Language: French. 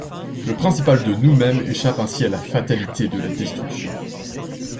Le principal de nous-mêmes échappe ainsi à la fatalité de la destruction.